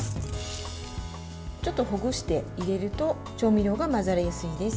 ちょっとほぐして入れると調味料が混ざりやすいです。